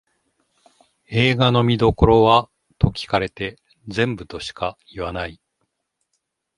映画の見どころはと聞かれて全部としか言わない